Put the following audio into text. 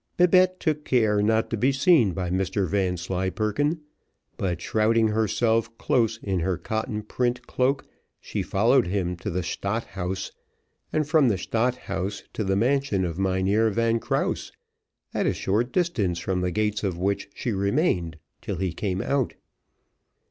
Babette took care not to be seen by Mr Vanslyperken, but shrouding herself close in her cotton print cloak, she followed him to the Stadt House, and from the Stadt House to the mansion of Mynheer Van Krause, at a short distance from the gates of which she remained till he came out.